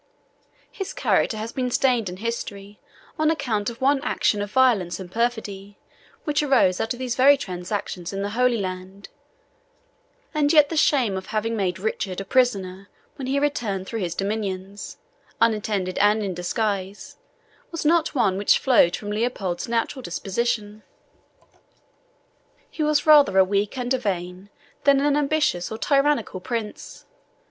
His character has been stained in history on account of one action of violence and perfidy, which arose out of these very transactions in the Holy Land; and yet the shame of having made Richard a prisoner when he returned through his dominions; unattended and in disguise, was not one which flowed from Leopold's natural disposition. He was rather a weak and a vain than an ambitious or tyrannical prince.